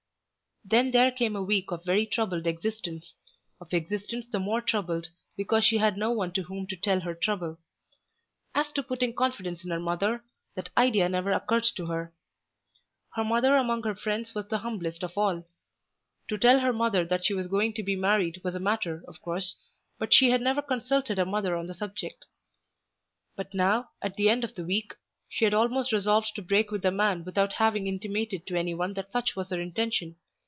Then there came a week of very troubled existence, of existence the more troubled because she had no one to whom to tell her trouble. As to putting confidence in her mother, that idea never occurred to her. Her mother among her friends was the humblest of all. To tell her mother that she was going to be married was a matter of course, but she had never consulted her mother on the subject. And now, at the end of the week, she had almost resolved to break with the man without having intimated to any one that such was her intention.